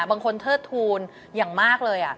บางคนเทิดทูลอย่างมากเลย